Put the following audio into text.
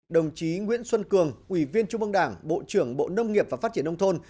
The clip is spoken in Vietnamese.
đồng chí nguyễn xuân cường ủy viên trung ương đảng bộ trưởng bộ nông nghiệp và phát triển nông thôn